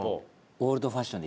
オールドファッション。